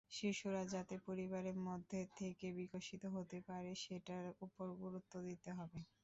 শিশুরা যাতে পরিবারের মধ্যে থেকে বিকশিত হতে পারে, সেটার ওপর গুরুত্ব দিতে হবে।